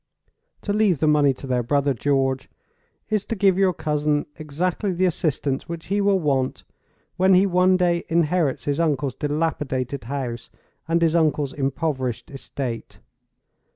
To leave the money to their brother George is to give your cousin exactly the assistance which he will want when he one day inherits his uncle's dilapidated house and his uncle's impoverished estate.